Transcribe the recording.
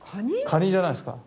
カニじゃないですか。